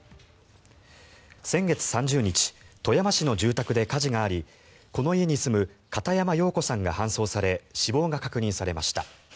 先月３０日富山市の住宅で火事がありこの家に住む片山洋子さんが搬送され死亡が確認されました。